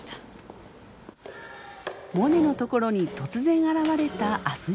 モネのところに突然現れた明日美。